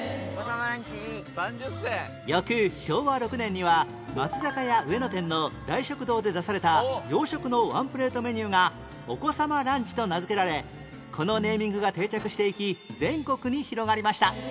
翌昭和６年には松坂屋上野店の大食堂で出された洋食のワンプレートメニューがお子様ランチと名付けられこのネーミングが定着していき全国に広がりました